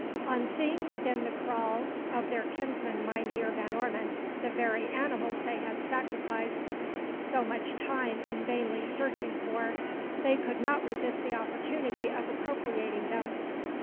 On seeing within the kraal of their kinsman Mynheer Van Ormon, the very animals they had sacrificed so much time in vainly searching for, they could not resist the opportunity of appropriating them.